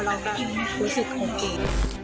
เราก็รู้สึกคงดี